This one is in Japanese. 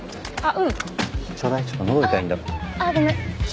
うん。